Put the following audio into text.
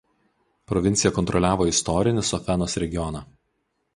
Provincija kontroliavo istorinį Sofenos regioną.